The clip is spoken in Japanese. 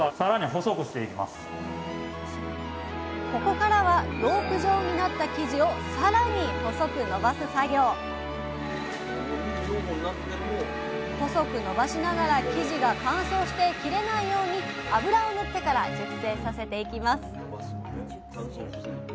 ここからはロープ状になった生地をさらに細くのばす作業細くのばしながら生地が乾燥して切れないように油を塗ってから熟成させていきます